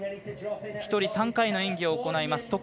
１人３回の演技を行います。